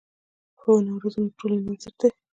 ښوونه او روزنه د ټولنې بنسټ دی.